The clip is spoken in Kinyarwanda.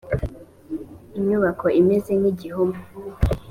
inyubako imeze nk igihome